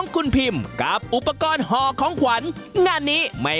การอุปกรณ์ห่อของขวัญทั้ง๓แบบนี้นะ